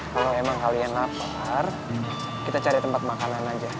kalau emang kalian enak kita cari tempat makanan aja